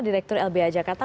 direktur lbh jakarta